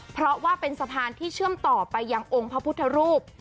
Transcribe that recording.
เพราะว่าเป็นสะพานที่เชื่อมต่อไปยังองค์พระพุทธรูป